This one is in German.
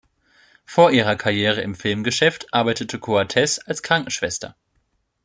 Vor ihrer Karriere im Filmgeschäft arbeitete Coates als Krankenschwester.